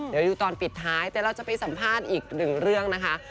เดี๋ยวอยู่ตอนปิดท้ายแต่เราจะไปสัมภาษณ์อีกหนึ่งเรื่องนะคะ